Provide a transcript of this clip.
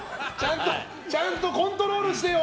ちゃんとコントロールしてよ！